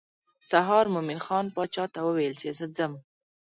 سهار مومن خان باچا ته وویل چې زه ځم.